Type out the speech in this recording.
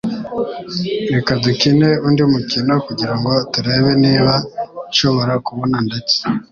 Reka dukine undi mukino kugirango turebe niba nshobora kubona ndetse